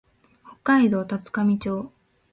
北海道滝上町